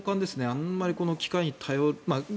あまり機械に頼る。